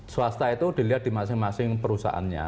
swasta itu dilihat di masing masing perusahaannya